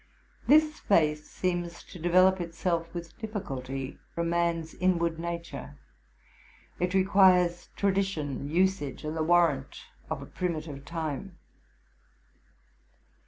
This faith seems to develop itself with difficulty from man's inward nature. It requires tradition, usage, and the warrant of a primitive time.